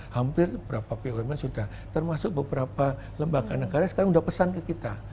hampir beberapa bumn sudah termasuk beberapa lembaga negara sekarang sudah pesan ke kita